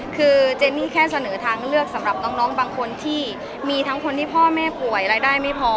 คือเจนี่แค่เสนอทางเลือกสำหรับน้องบางคนที่มีทั้งคนที่พ่อแม่ป่วยรายได้ไม่พอ